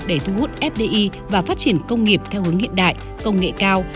để thu hút fdi và phát triển công nghiệp theo hướng hiện đại công nghệ cao